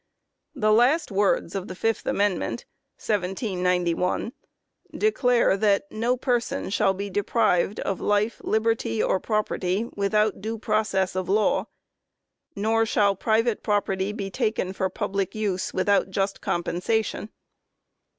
The last words of the Fifth Amendment (1791) declare that "no person shall be deprived of life, liberty, or property without due process of law ; nor shall private property be taken for public use without just compensation